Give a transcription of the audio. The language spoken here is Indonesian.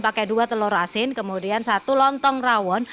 pakai dua telur asin kemudian satu lontong rawon